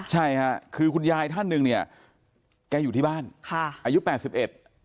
ใช่ค่ะคือคุณยายท่านหนึ่งเนี่ยแกอยู่ที่บ้านค่ะอายุแปดสิบเอ็ด